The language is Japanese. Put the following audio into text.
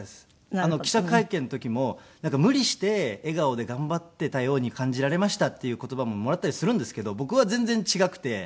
あの記者会見の時もなんか無理して笑顔で頑張っていたように感じられましたっていう言葉ももらったりするんですけど僕は全然違くて。